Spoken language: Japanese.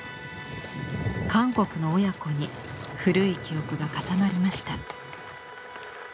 韓国の親子に古い記憶が重なりました。